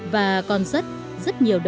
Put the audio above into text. và còn rất rất nhiều đồng lực